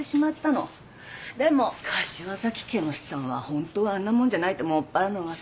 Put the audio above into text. でも柏崎家の資産はホントはあんなもんじゃないってもっぱらの噂。